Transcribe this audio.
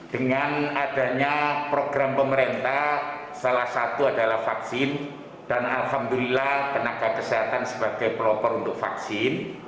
dengan adanya program pemerintah salah satu adalah vaksin dan alhamdulillah tenaga kesehatan sebagai pelopor untuk vaksin